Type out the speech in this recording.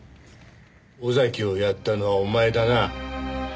尾崎をやったのはお前だな？